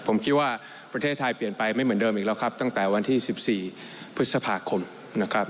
ผมคิดว่าประเทศไทยเปลี่ยนไปไม่เหมือนเดิมอีกแล้วครับตั้งแต่วันที่๑๔พฤษภาคมนะครับ